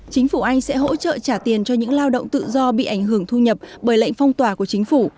chính phủ anh sẽ hỗ trợ trả tiền cho những lao động tự do bị ảnh hưởng thu nhập bởi lệnh phong tỏa của chính phủ